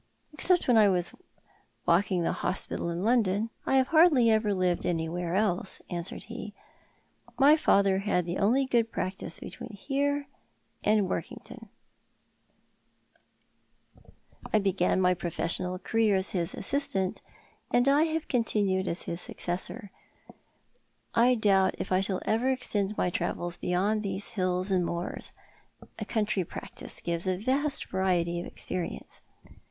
" Except when I was walking tlio hospital in London, I bavo hardly ever lived anywhere else," answereil he. " 2Iy father had the only good practice between here and Workington. I 276 Tho2i art the Alan. began my professional career as his assistant, and I have con tinued it as his successor. I doubt if I shall ever extend my travels beyond these hills and moors. A country practice gives a vast variety of experience."